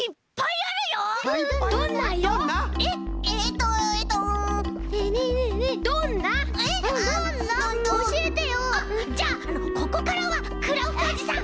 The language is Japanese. あっじゃあここからはクラフトおじさん